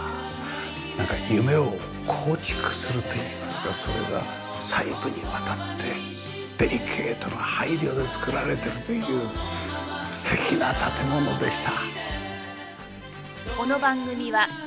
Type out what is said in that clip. なんか夢を構築するといいますかそれが細部にわたってデリケートな配慮で造られてるという素敵な建物でした。